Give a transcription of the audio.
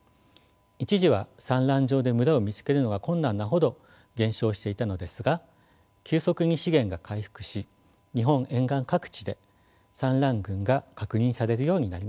一時は産卵場で群れを見つけるのが困難なほど減少していたのですが急速に資源が回復し日本沿岸各地で産卵群が確認されるようになりました。